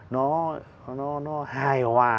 nó hài hòa